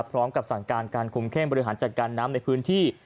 พร้อมกับสั่งการการคุมเข้มบริหารจัดการน้ำในพื้นที่